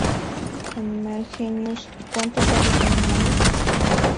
Animal Genius ¿Cuánto Sabes de animales?